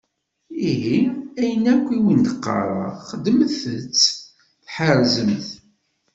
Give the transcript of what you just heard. Ihi, ayen akk i wen-d-qqaren, xedmet-tt tḥerzem-t.